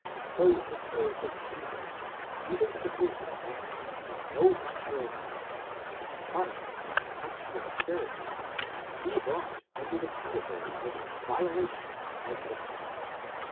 ° so the cures of Jesus, even supposing that he used no natural means, might by captious Pharisees be brought under the category of violations of the sabbath.